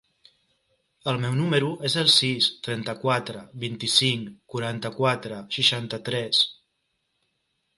El meu número es el sis, trenta-quatre, vint-i-cinc, quaranta-quatre, seixanta-tres.